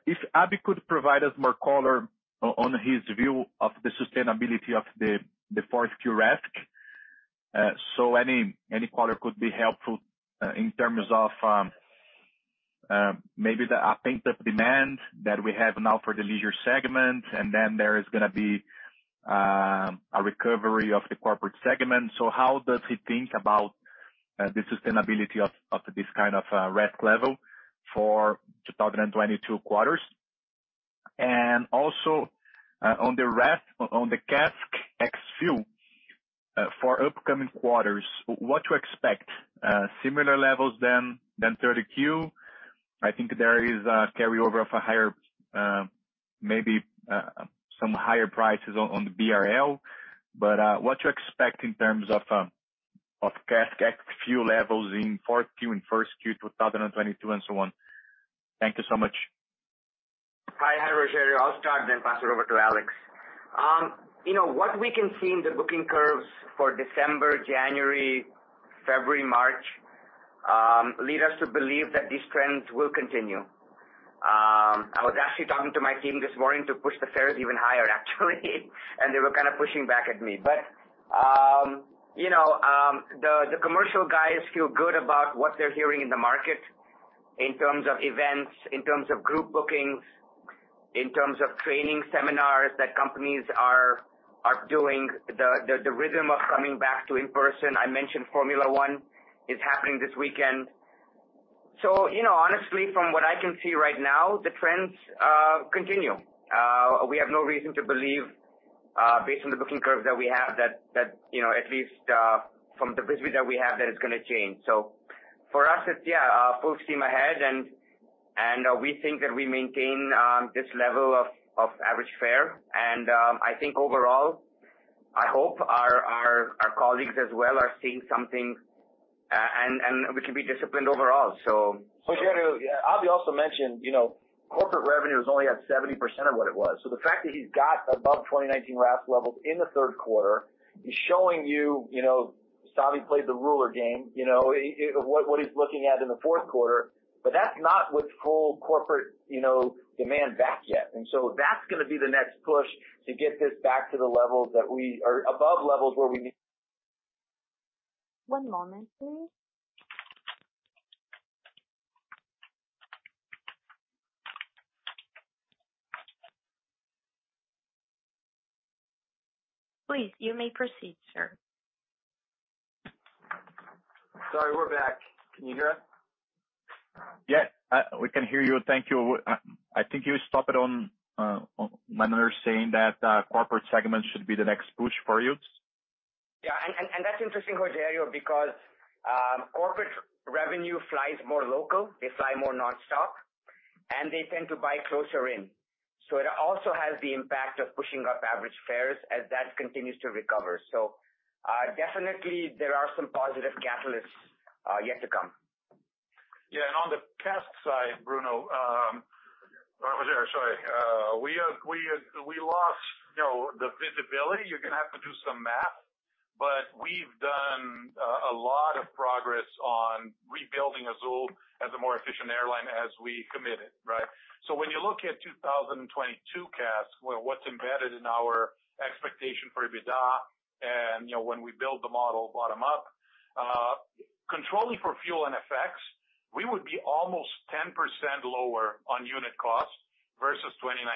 if Abhi could provide us more color on his view of the sustainability of the fourth Q RASK. So any color could be helpful in terms of maybe the pent-up demand that we have now for the leisure segment, and then there is gonna be a recovery of the corporate segment. So how does he think about the sustainability of this kind of RASK level for 2022 quarters? And also, on the CASK ex fuel for upcoming quarters, what to expect, similar levels than third Q? I think there is a carryover of a higher, maybe, some higher prices on the BRL, but what to expect in terms of CASK ex fuel levels in fourth Q and first Q 2022, and so on. Thank you so much. Hi. Hi, Rogério. I'll start then pass it over to Alex. You know, what we can see in the booking curves for December, January, February, March lead us to believe that these trends will continue. I was actually talking to my team this morning to push the fares even higher, actually. They were kind of pushing back at me. You know, the commercial guys feel good about what they're hearing in the market in terms of events, in terms of group bookings, in terms of training seminars that companies are doing, the rhythm of coming back to in-person. I mentioned Formula One is happening this weekend. You know, honestly, from what I can see right now, the trends continue. We have no reason to believe, based on the booking curves that we have that you know, at least, from the visibility that we have that it's gonna change. For us, it's yeah full steam ahead, and we think that we maintain this level of average fare. I think overall, I hope our colleagues as well are seeing something, and we can be disciplined overall. So Rogério, yeah, Abhi also mentioned, you know, corporate revenue is only at 70% of what it was. The fact that he's got above 2019 RASK levels in the third quarter is showing you know, Savi played the RASK game, you know, what he's looking at in the fourth quarter. That's not with full corporate, you know, demand back yet. That's gonna be the next push to get this back to the levels or above levels where we need. One moment, please. Please, you may proceed, sir. Sorry, we're back. Can you hear us? Yeah. We can hear you. Thank you. I think you stopped it on John Rodgerson saying that corporate segment should be the next push for you. Yeah. That's interesting, Rogério, because corporate revenue flies more local. They fly more nonstop, and they tend to buy closer in. So it also has the impact of pushing up average fares as that continues to recover. Definitely there are some positive catalysts yet to come. Yeah. On the CASK side, Bruno or Rogério, sorry. We lost, you know, the visibility. You're gonna have to do some math, but we've done a lot of progress on rebuilding Azul as a more efficient airline as we committed, right? So when you look at 2022 CASK, well, what's embedded in our expectation for EBITDA and, you know, when we build the model bottom up, controlling for fuel and FX, we would be almost 10% lower on unit costs versus 2019,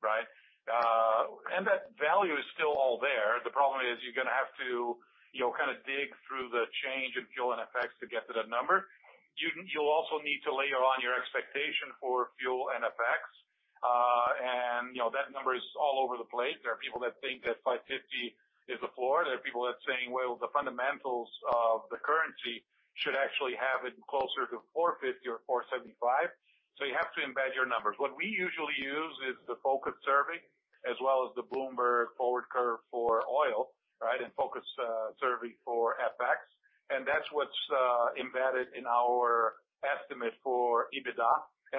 right? That value is still all there. The problem is you're gonna have to, you know, kind of dig through the change in fuel and FX to get to that number. You'll also need to layer on your expectation for fuel and FX. You know, that number is all over the place. There are people that think that 5.50 is the floor. There are people saying, "Well, the fundamentals of the currency should actually have it closer to 4.50 or 4.75." You have to embed your numbers. What we usually use is the Focus Survey as well as the Bloomberg forward curve for oil, right? Focus Survey for FX. That's what's embedded in our estimate for EBITDA.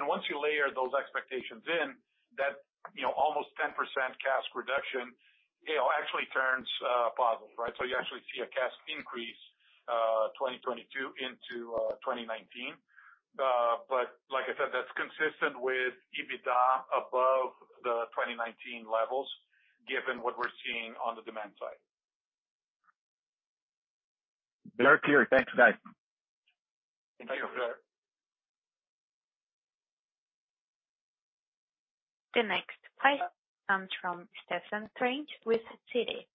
Once you layer those expectations in, that, you know, almost 10% CASK reduction, you know, actually turns positive, right? You actually see a CASK increase, 2022 into 2019. Like I said, that's consistent with EBITDA above the 2019 levels, given what we're seeing on the demand side. Very clear. Thanks, guys. Thank you. Thank you. The next question comes from Stephen Trent with Citi.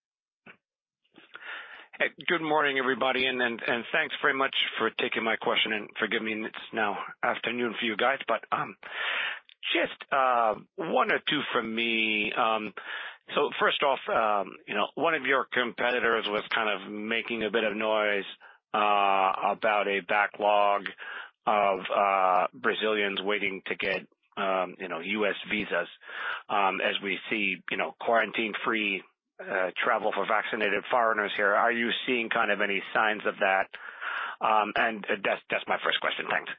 Hey, good morning, everybody. Thanks very much for taking my question, and forgive me, it's now afternoon for you guys, but just one or two from me. First off, you know, one of your competitors was kind of making a bit of noise. About a backlog of Brazilians waiting to get, you know, U.S. visas, as we see, you know, quarantine-free travel for vaccinated foreigners here. Are you seeing kind of any signs of that? That's my first question. Thanks.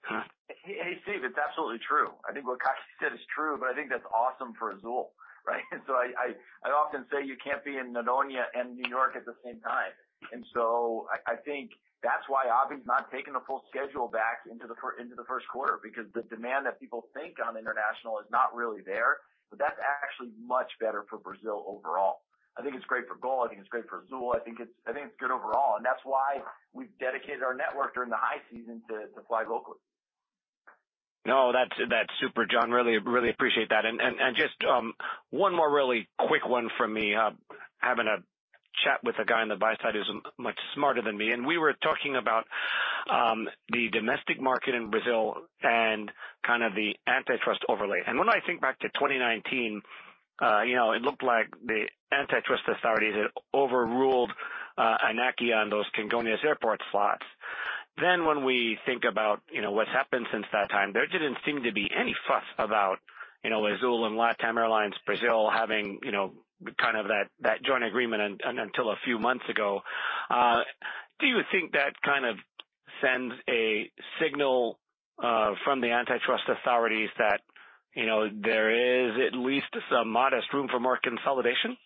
Hey, Stephen Trent, it's absolutely true. I think what Alexandre Malfitani said is true, but I think that's awesome for Azul, right? I often say you can't be in Noronha and New York at the same time. I think that's why Abhi Shah is not taking a full schedule back into the first quarter, because the demand that people think on international is not really there. That's actually much better for Brazil overall. I think it's great for GOL. I think it's great for Azul. I think it's good overall, and that's why we've dedicated our network during the high season to fly locally. No, that's super, John. Really appreciate that. Just one more really quick one from me. Having a chat with a guy on the buy side who's much smarter than me, and we were talking about the domestic market in Brazil and kind of the antitrust overlay. When I think back to 2019, you know, it looked like the antitrust authorities had overruled ANAC on those Congonhas Airport slots. When we think about, you know, what's happened since that time, there didn't seem to be any fuss about, you know, Azul and LATAM Airlines, Brazil having, you know, kind of that joint agreement until a few months ago. Do you think that kind of sends a signal from the antitrust authorities that, you know, there is at least some modest room for more consolidation?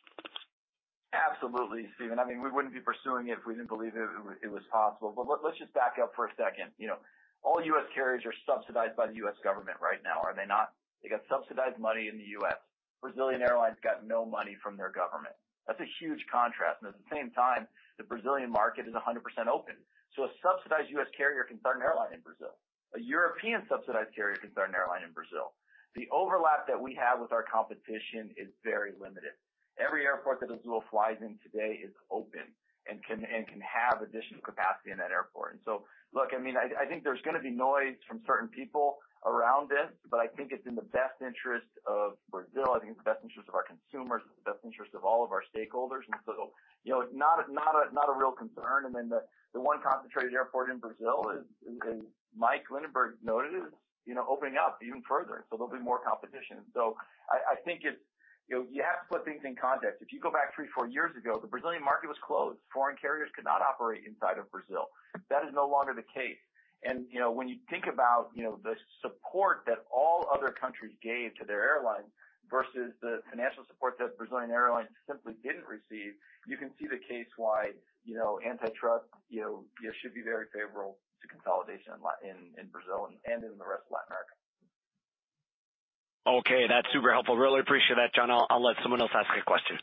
Absolutely, Stephen. I mean, we wouldn't be pursuing it if we didn't believe it was possible. Let's just back up for a second. You know, all U.S. carriers are subsidized by the U.S. government right now. Are they not? They got subsidized money in the U.S. Brazilian airlines got no money from their government. That's a huge contrast. At the same time, the Brazilian market is 100% open. A subsidized U.S. carrier can start an airline in Brazil. A European-subsidized carrier can start an airline in Brazil. The overlap that we have with our competition is very limited. Every airport that Azul flies in today is open and can have additional capacity in that airport. Look, I mean, I think there's gonna be noise from certain people around this, but I think it's in the best interest of Brazil. I think it's the best interest of our consumers. It's the best interest of all of our stakeholders. You know, it's not a real concern. The one concentrated airport in Brazil, as Mike Linenberg noted, is, you know, opening up even further. There'll be more competition. I think. You know, you have to put things in context. If you go back three, four years ago, the Brazilian market was closed. Foreign carriers could not operate inside of Brazil. That is no longer the case. You know, when you think about, you know, the support that all other countries gave to their airlines versus the financial support that Brazilian airlines simply didn't receive, you can see the case why, you know, antitrust, you know, should be very favorable to consolidation in Brazil and in the rest of Latin America. Okay, that's super helpful. Really appreciate that, John. I'll let someone else ask a question.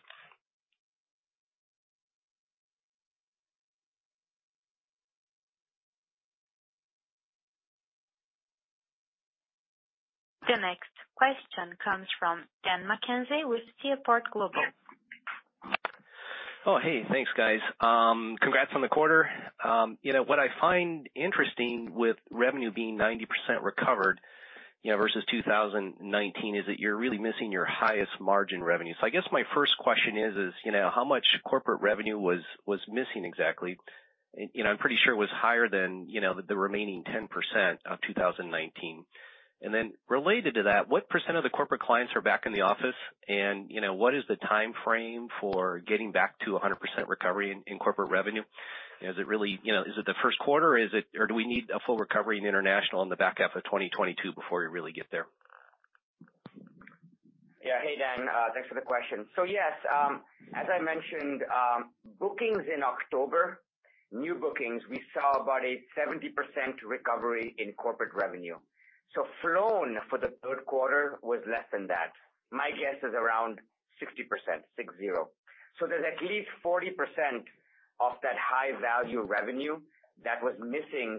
The next question comes from Daniel McKenzie with Seaport Global. Oh, hey, thanks, guys. Congrats on the quarter. You know, what I find interesting with revenue being 90% recovered, you know, versus 2019, is that you're really missing your highest margin revenue. I guess my first question is, you know, how much corporate revenue was missing exactly? You know, I'm pretty sure it was higher than, you know, the remaining 10% of 2019. Related to that, what percent of the corporate clients are back in the office? You know, what is the timeframe for getting back to a 100% recovery in corporate revenue? Is it really? You know, is it the first quarter, or is it, or do we need a full recovery in international in the back half of 2022 before we really get there? Yeah. Hey, Dan, thanks for the question. Yes, as I mentioned, bookings in October, new bookings, we saw about a 70% recovery in corporate revenue. Flown for the third quarter was less than that. My guess is around 60%, 60. There's at least 40% of that high-value revenue that was missing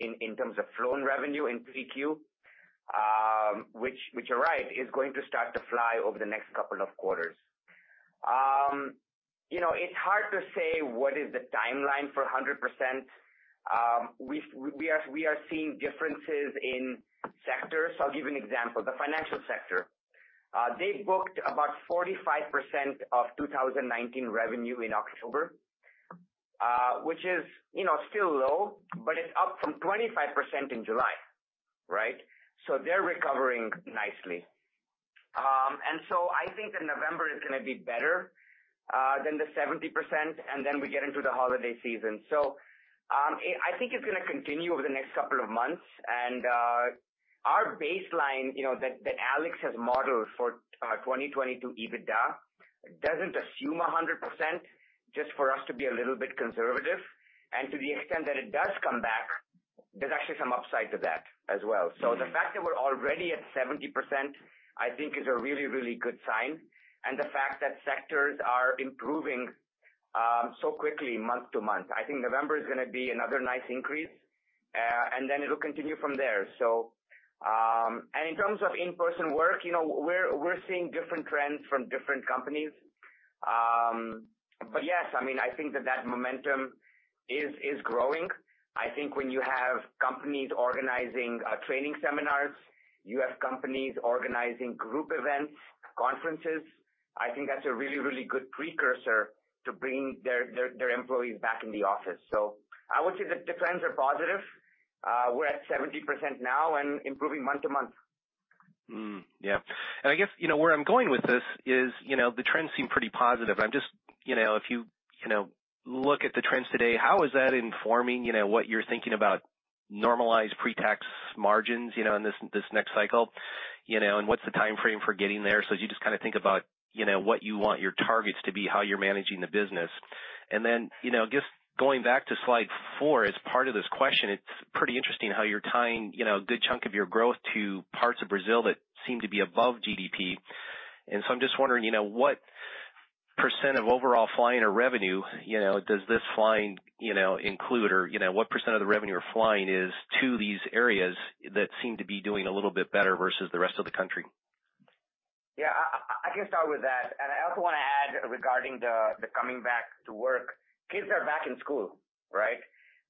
in terms of flown revenue in 3Q, which you're right, is going to start to fly over the next couple of quarters. You know, it's hard to say what is the timeline for 100%. We are seeing differences in sectors. I'll give you an example. The financial sector, they booked about 45% of 2019 revenue in October, which is, you know, still low, but it's up from 25% in July, right? They're recovering nicely. I think that November is gonna be better than the 70%, and then we get into the holiday season. I think it's gonna continue over the next couple of months. Our baseline, you know, that Alex has modeled for 2022 EBITDA doesn't assume 100% just for us to be a little bit conservative. To the extent that it does come back, there's actually some upside to that as well. The fact that we're already at 70%, I think is a really good sign. The fact that sectors are improving so quickly month to month, I think November is gonna be another nice increase, and then it'll continue from there. In terms of in-person work, you know, we're seeing different trends from different companies. Yes, I mean, I think that momentum is growing. I think when you have companies organizing training seminars. You have companies organizing group events, conferences. I think that's a really good precursor to bring their employees back in the office. I would say the trends are positive. We're at 70% now and improving month-to-month. I guess, you know, where I'm going with this is, you know, the trends seem pretty positive. I'm just you know, if you know, look at the trends today, how is that informing, you know, what you're thinking about normalized pre-tax margins, you know, in this next cycle? You know, what's the timeframe for getting there? You just kinda think about, you know, what you want your targets to be, how you're managing the business. Then, you know, just going back to slide four as part of this question, it's pretty interesting how you're tying, you know, a good chunk of your growth to parts of Brazil that seem to be above GDP. I'm just wondering, you know, what % of overall flying or revenue, you know, does this flying, you know, include or, you know, what % of the revenue or flying is to these areas that seem to be doing a little bit better versus the rest of the country? Yeah. I can start with that. I also wanna add regarding the coming back to work, kids are back in school, right?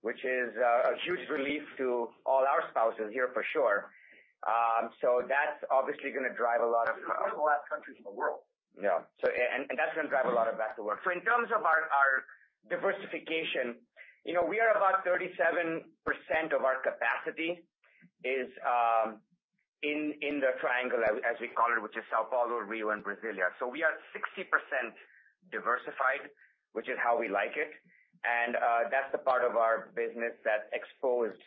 Which is a huge relief to all our spouses here for sure. That's obviously gonna drive a lot of- One of the last countries in the world. Yeah, that's gonna drive a lot of back to work. In terms of our diversification, you know, we are about 37% of our capacity is in the triangle as we call it, which is São Paulo, Rio, and Brasília. We are 60% diversified, which is how we like it. That's the part of our business that's exposed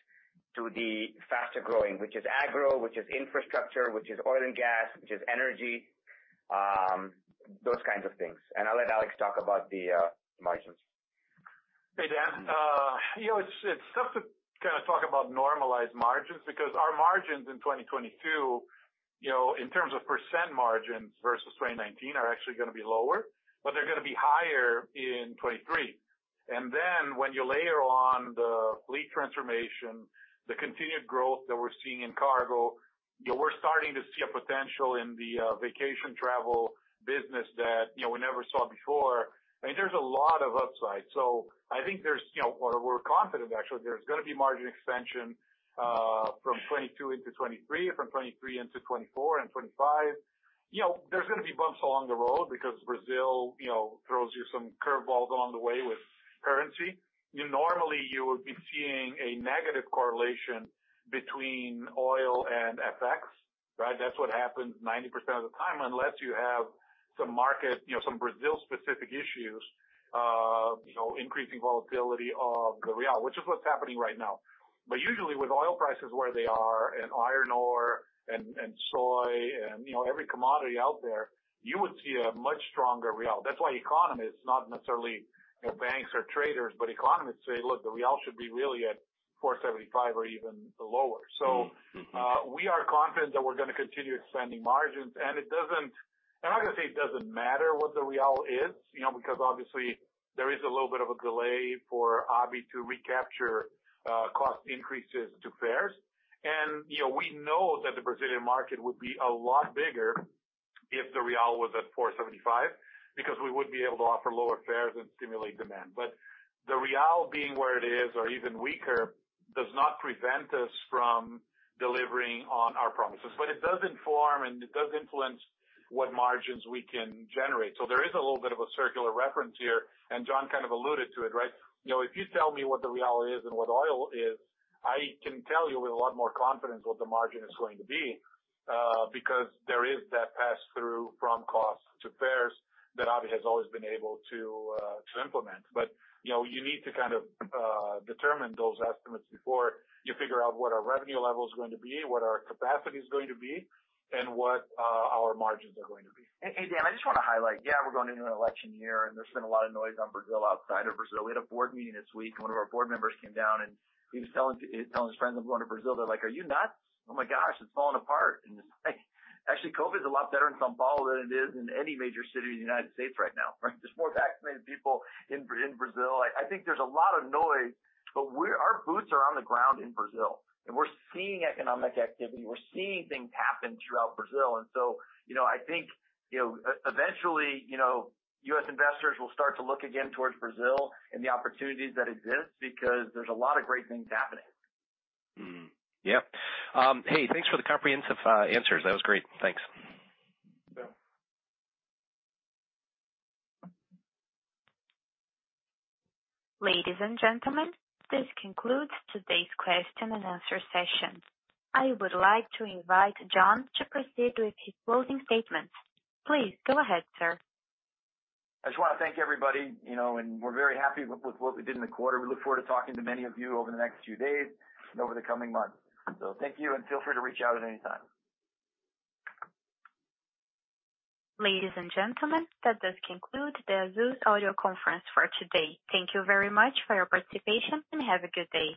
to the faster growing, which is agro, which is infrastructure, which is oil and gas, which is energy, those kinds of things. I'll let Alex talk about the margins. Hey, Dan. You know, it's tough to kinda talk about normalized margins because our margins in 2022, you know, in terms of % margins versus 2019 are actually gonna be lower, but they're gonna be higher in 2023. Then when you layer on the fleet transformation, the continued growth that we're seeing in cargo, you know, we're starting to see a potential in the vacation travel business that, you know, we never saw before. I mean, there's a lot of upside. I think there's, you know, or we're confident actually there's gonna be margin expansion from 2022 into 2023, from 2023 into 2024 and 2025. You know, there's gonna be bumps along the road because Brazil, you know, throws you some curveballs along the way with currency. You know, normally you would be seeing a negative correlation between oil and FX, right? That's what happens 90% of the time, unless you have some market, you know, some Brazil specific issues, you know, increasing volatility of the real, which is what's happening right now. Usually with oil prices where they are and iron ore and soy and, you know, every commodity out there, you would see a much stronger real. That's why economists, not necessarily, you know, banks or traders, but economists say, "Look, the real should be really at 4.75 or even lower. Mm-hmm. We are confident that we're gonna continue expanding margins, and I'm not gonna say it doesn't matter what the real is, you know, because obviously there is a little bit of a delay for AB to recapture cost increases to fares. We know that the Brazilian market would be a lot bigger if the real was at 4.75 because we would be able to offer lower fares and stimulate demand. The real being where it is or even weaker does not prevent us from delivering on our promises. It does inform, and it does influence what margins we can generate. There is a little bit of a circular reference here, and John kind of alluded to it, right? You know, if you tell me what the Real is and what oil is, I can tell you with a lot more confidence what the margin is going to be, because there is that pass-through from cost to fares that AB has always been able to implement. You know, you need to kind of determine those estimates before you figure out what our revenue level is going to be, what our capacity is going to be, and what our margins are going to be. Hey, Dan, I just wanna highlight. Yeah, we're going into an election year, and there's been a lot of noise on Brazil outside of Brazil. We had a board meeting this week, and one of our board members came down, and he was telling his friends he was going to Brazil. They're like, "Are you nuts? Oh my gosh, it's falling apart." It's like, actually, COVID is a lot better in São Paulo than it is in any major city in the United States right now, right? There's more vaccinated people in Brazil. I think there's a lot of noise, but our boots are on the ground in Brazil, and we're seeing economic activity. We're seeing things happen throughout Brazil. You know, I think, you know, eventually, you know, U.S. investors will start to look again towards Brazil and the opportunities that exist because there's a lot of great things happening. Yeah. Hey, thanks for the comprehensive answers. That was great. Thanks. Yeah. Ladies and gentlemen, this concludes today's question and answer session. I would like to invite John to proceed with his closing statements. Please go ahead, sir. I just wanna thank everybody, you know, and we're very happy with what we did in the quarter. We look forward to talking to many of you over the next few days and over the coming months. Thank you and feel free to reach out at any time. Ladies and gentlemen, that does conclude the Azul audio conference for today. Thank you very much for your participation, and have a good day.